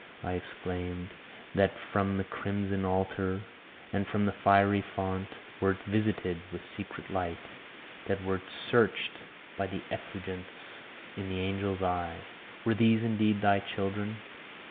I exclaimed, "that from the crimson altar and from the fiery font wert visited with secret light that wert searched by the effulgence in the angel's eye were these indeed thy children?